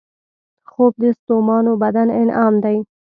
خوب د ستومانو بدن انعام دی